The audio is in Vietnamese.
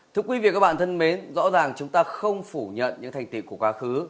thưa quý vị và các bạn thân mến rõ ràng chúng ta không phủ nhận những thành tiệu của quá khứ